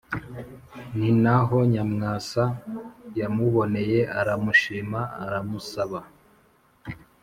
ni na ho nyamwasa yamuboneye aramushima aramusaba